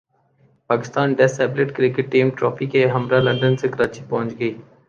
Pakistani disabled cricket team trophy کے ہمراہ London سے کراچی پہنچ گئی